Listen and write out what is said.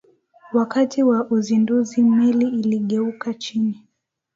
wakati wa uzinduzi meli iligeuka chini